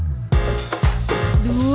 boleh boleh boleh